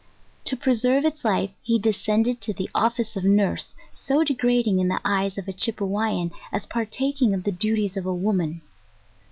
To preserve its life he descended to the offioe of nurse, so degrading in the eyes of a Chipewyan, as partaking of the duties of a wo man.